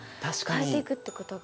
変えていくってことが。